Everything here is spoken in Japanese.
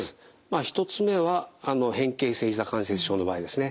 １つ目は変形性ひざ関節症の場合ですね。